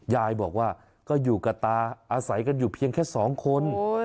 ยายบอกว่าก็อยู่กับตาอาศัยกันอยู่เพียงแค่๒คน